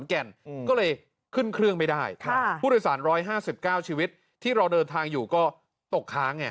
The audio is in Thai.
ขนแกนก็เลยขึ้นเครื่องไม่ได้ค่ะผู้โดยสารร้อยห้าสิบเก้าชีวิตที่เราเดินทางอยู่ก็ตกค้างเนี่ย